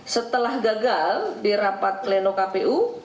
setelah gagal di rapat pleno kpu